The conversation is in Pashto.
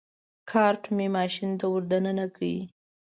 کارټ مې ماشین ته ور دننه کړ.